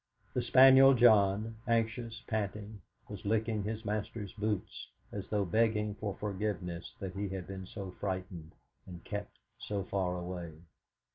The spaniel John, anxious, panting, was licking his master's boots, as though begging forgiveness that he had been so frightened, and kept so far away.